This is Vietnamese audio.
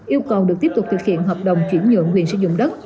yêu cầu được tiếp tục thực hiện hợp đồng chuyển nhượng quyền sử dụng đất